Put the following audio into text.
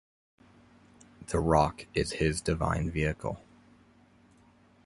The rock is his divine vehicle.